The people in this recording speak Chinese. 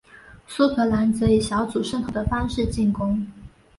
苏格兰则以小组渗透的方式进攻。